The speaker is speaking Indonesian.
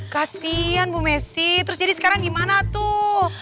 kasian bu messi terus jadi sekarang gimana tuh